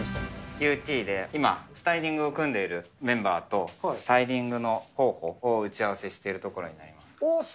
ＵＴで今、スタイリングを組んでいるメンバーと、スタイリングの候補を打ち合わせしているところになります。